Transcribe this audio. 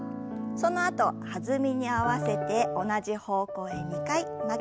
そのあと弾みに合わせて同じ方向へ２回曲げて戻します。